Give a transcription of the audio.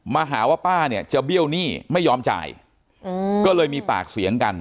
มาหาว่าป้าเนี่ยจะเบี้ยวหนี้ไม่ยอมจ่ายก็เลยมีปากเสียงกัน